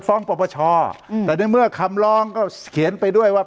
ฟ้องประประชาอืมแต่ในเมื่อคำล้องก็เขียนไปด้วยว่า